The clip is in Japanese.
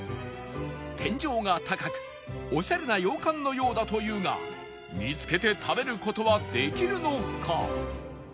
天井が高くオシャレな洋館のようだというが見つけて食べる事はできるのか？